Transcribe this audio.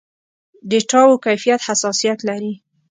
ډېټاوو کيفيت حساسيت لري.